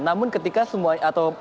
namun ketika semua